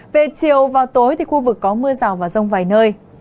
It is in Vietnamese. về chiều và tối thì khu vực có mưa rào và rông vài nơi